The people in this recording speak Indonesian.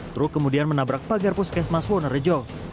truk kemudian menabrak pagar puskesmas wonorejo